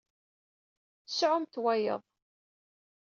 Sɛumt wayeḍ.